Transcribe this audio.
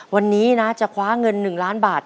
วันนี้นะจะคว้าเงิน๑ล้านบาท